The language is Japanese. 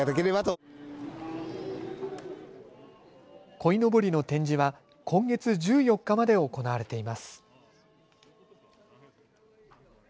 こいのぼりの展示は今月１４日まで行われています。